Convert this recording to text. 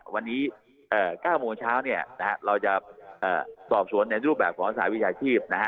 วันนี้๙โมงเช้าเนี่ยนะฮะเราจะสอบสวนในรูปแบบของสหวิชาชีพนะฮะ